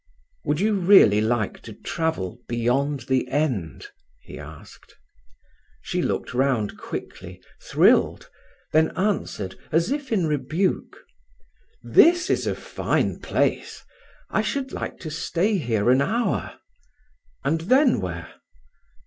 "Would you really like to travel beyond the end?" he asked. She looked round quickly, thrilled, then answered as if in rebuke: "This is a fine place. I should like to stay here an hour." "And then where?"